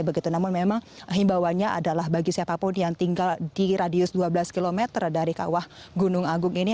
begitu namun memang himbawannya adalah bagi siapapun yang tinggal di radius dua belas km dari kawah gunung agung ini